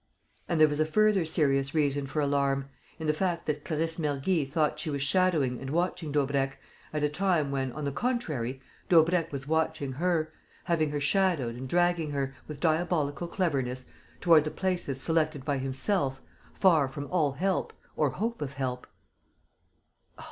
And there was a further serious reason for alarm in the fact that Clarisse Mergy thought that she was shadowing and watching Daubrecq at a time when, on the contrary, Daubrecq was watching her, having her shadowed and dragging her, with diabolical cleverness, toward the places selected by himself, far from all help or hope of help.